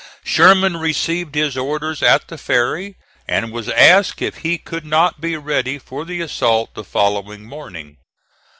Sherman received his orders at the ferry, and was asked if he could not be ready for the assault the following morning.